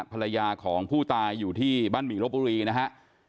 ภรรยาของผู้ตายอยู่ที่บ้านหมี่รบบุรีนะฮะ